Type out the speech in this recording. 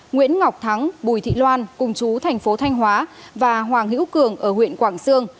nguyễn ngọc thắng bùi thị loan cùng chú thành phố thanh hóa và hoàng hữu cường ở huyện quảng sương